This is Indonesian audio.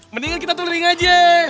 mendingan kita touring aja